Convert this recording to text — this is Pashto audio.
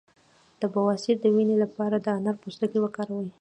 د بواسیر د وینې لپاره د انار پوستکی وکاروئ